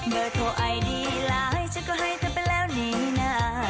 เบอร์โทรไอดีไลน์ฉันก็ให้เธอไปแล้วนี่นะ